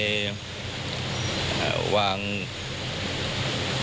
ไป